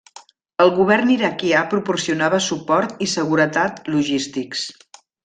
El govern iraquià proporcionava suport i seguretat logístics.